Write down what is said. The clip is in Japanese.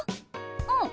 うん。